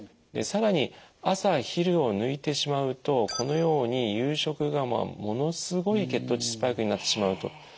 で更に朝昼を抜いてしまうとこのように夕食がものすごい血糖値スパイクになってしまうと。